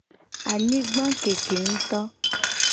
Anyigba keke nguto.